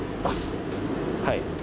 はい。